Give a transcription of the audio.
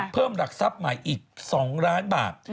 เพิ่มหลักทรัพย์ใหม่อีก๒ล้านบาท